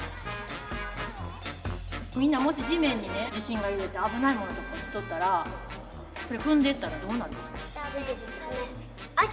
みんなもし地面にね地震が揺れて危ないものとか落ちとったらそれ踏んでったらどうなる？